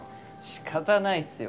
仕方ないっすよ